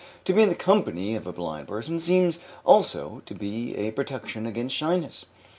To be in the company of a blind person seems also to be a protection against shyness.